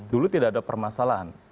dulu tidak ada permasalahan